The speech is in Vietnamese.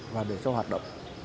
và để cho hoạt động